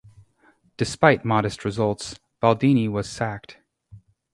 Despite modest results, Baldini was sacked.